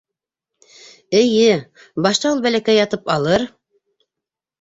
Эйе, башта ул бәләкәй ятып алыр...